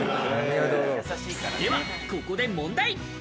ではここで問題。